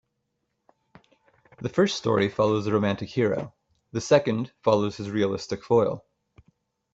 The first story follows the romantic hero, the second follows his realistic foil.